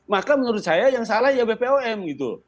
maka menurut saya yang salah ya bpom gitu